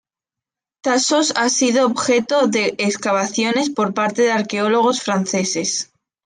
Tasos ha sido objeto de excavaciones por parte de arqueólogos franceses.